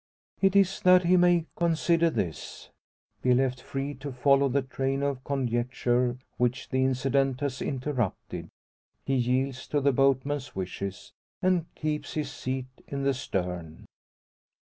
It is that he may consider this be left free to follow the train of conjecture which the incident has interrupted he yields to the boatman's wishes, and keeps his seat in the stern.